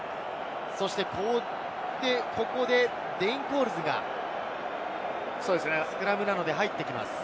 そしてここでデイン・コールズがスクラムなので入ってきます。